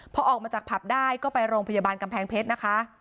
พอออกมาจากผับได้ก็ไปโรงพยาบาลกำแพงเพชรนะคะ